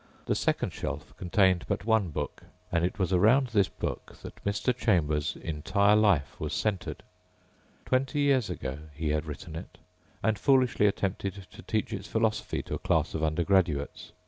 The second shelf contained but one book. And it was around this book that Mr. Chambers' entire life was centered. Twenty years ago he had written it and foolishly attempted to teach its philosophy to a class of undergraduates.